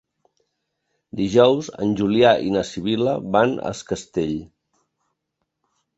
Dijous en Julià i na Sibil·la van a Es Castell.